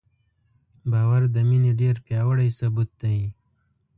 باور د مینې ډېر پیاوړی ثبوت دی.